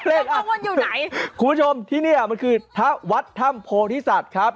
รับเล่นอ่ะคุณผู้ชมที่นี่มันคือทะวัดธรรมโพธิศาสตร์ครับ